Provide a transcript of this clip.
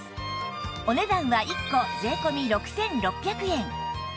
お値段は１個税込６６００円